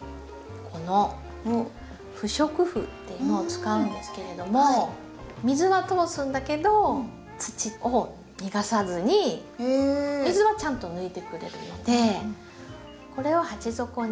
この不織布っていうのを使うんですけれども水は通すんだけど土を逃がさずに水はちゃんと抜いてくれるのでこれを鉢底に敷くことで。